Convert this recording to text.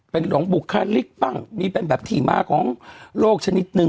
เป็นหลวงบุคลิกบ้างมีเป็นแบบที่มาของโลกชนิดนึง